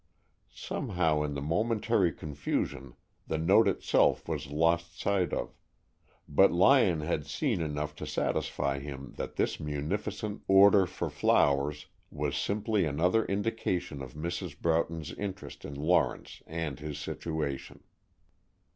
Somehow in the momentary confusion the note itself was lost sight of, but Lyon had seen enough to satisfy him that this munificent order for flowers was simply another indication of Mrs. Broughton's interest in Lawrence and his situation.